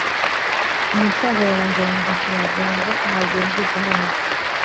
umusaza arabanza aramukosora agira ngo ntabyo yumvise neza